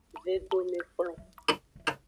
Vedomekplon.